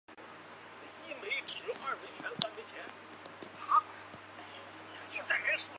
拉莫特蒙特拉韦。